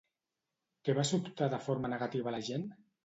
Què va sobtar de forma negativa l'agent?